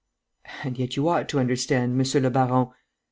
"And yet you ought to understand, monsieur le baron....